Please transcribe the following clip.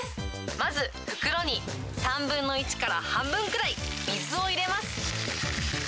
まず袋に３分の１から半分くらい水を入れます。